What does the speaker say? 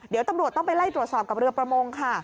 เดี๋ยวตำรวจต้องไปไล่ตรวจสอบกับเรือประมงค่ะ